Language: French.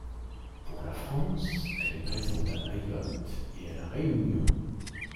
Pour la France, elle est présente à Mayotte et à la Réunion.